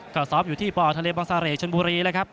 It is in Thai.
ก็ซ้อมอยู่ที่ปทะเลบังสาเหรษชนบุรีนะครับ